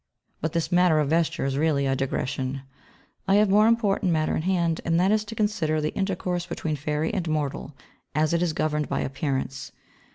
But this matter of vesture is really a digression: I have more important matter in hand, and that is to consider the intercourse between fairy and mortal, as it is governed by appearance.